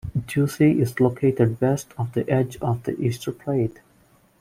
Ducie is located west of the edge of the Easter Plate.